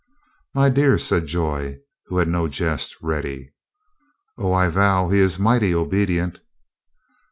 "My dear!" said Joy, who had no jest ready. "O, I vow he is mighty obedient."